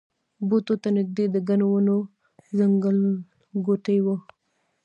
بوټو ته نږدې د ګڼو ونو ځنګلګوټی و.